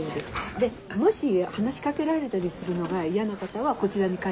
でもし話しかけられたりするのが嫌な方はこちらに書いていただいて。